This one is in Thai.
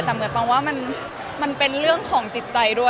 แต่เหมือนปองว่ามันเป็นเรื่องของจิตใจด้วย